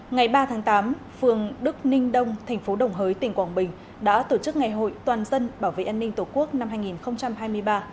ngày ba tháng tám phường đức ninh đông thành phố đồng hới tỉnh quảng bình đã tổ chức ngày hội toàn dân bảo vệ an ninh tổ quốc năm hai nghìn hai mươi ba